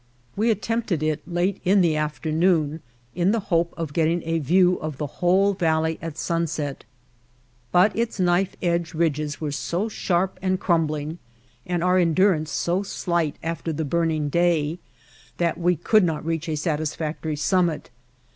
We attempted it late in the afternoon in the hope of getting a view of the whole valley at sunset, but its knife edge ridges were so sharp and crumbling and our en durance so slight after the burning day that we could not reach a satisfactory summit.